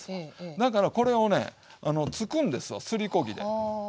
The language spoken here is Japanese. だからこれをねつくんですわすりこ木で。